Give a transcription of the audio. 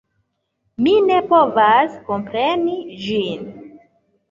Mi ne povas kompreni ĝin!